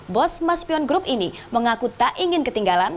bos maspion group ini mengaku tak ingin ketinggalan